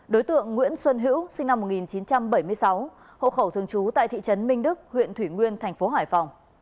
đối tượng nguyễn xuân hữu sinh năm một nghìn chín trăm bảy mươi sáu hộ khẩu thường trú tại thị trấn minh đức huyện thủy nguyên thành phố hải phòng